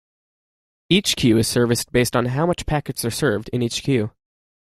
Each queue is serviced based on how much packets are served in each queue.